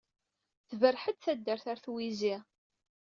Tberreḥ-d taddart ɣer twizi.